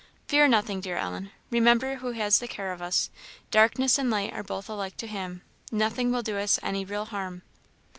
"Fear nothing, dear Ellen; remember who has the care of us; darkness and light are both alike to Him; nothing will do us any real harm."